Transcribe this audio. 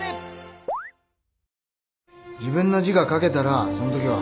『ＥＶＥＲＹ』自分の字が書けたらそんときは。